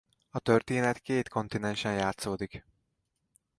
A történet két kontinensen játszódik.